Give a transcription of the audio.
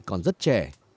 còn rất trẻ